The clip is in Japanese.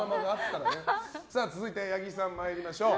続いて、八木さん参りましょう。